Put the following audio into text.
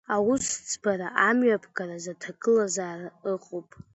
Аусӡбра амҩаԥгараз аҭагылазаара ыҟоуп!